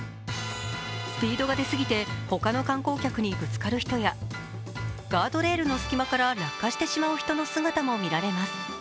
スピードが出過ぎて他の観光客にぶつかる人やガードレールの隙間から落下してしまう人の姿もみられます。